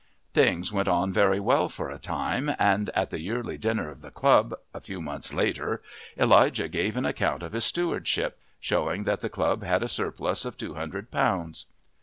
Things went on very well for a time, and at the yearly dinner of the club, a few months later, Elijah gave an account of his stewardship, showing that the club had a surplus of two hundred pounds.